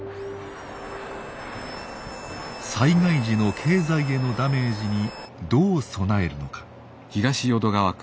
災害時の経済へのダメージにどう備えるのか。